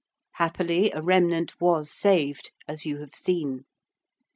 Happily a remnant was saved, as you have seen.